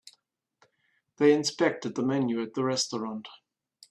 They inspected the menu at the restaurant.